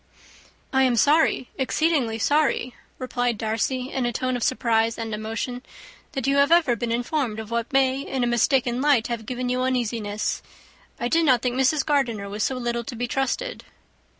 "I am sorry, exceedingly sorry," replied Darcy, in a tone of surprise and emotion, "that you have ever been informed of what may, in a mistaken light, have given you uneasiness. I did not think Mrs. Gardiner was so little to be trusted."